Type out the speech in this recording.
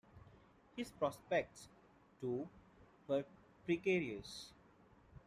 His prospects, too, were precarious.